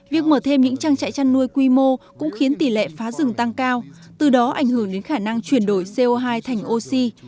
việc mở thêm những trang trại chăn nuôi quy mô cũng khiến tỷ lệ phá rừng tăng cao từ đó ảnh hưởng đến khả năng chuyển đổi co hai thành oxy